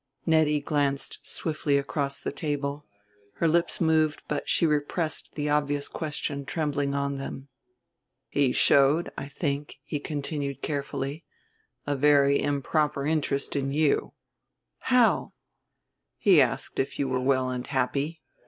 Nettie glanced swiftly across the table; her lips moved; but she repressed the obvious question trembling on them. "He showed, I think," he continued carefully, "a very improper interest in you." "How?" "He asked if you were well and happy.